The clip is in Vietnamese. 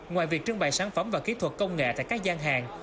ngoài việc trưng bày sản phẩm và kỹ thuật công nghệ tại các gian hàng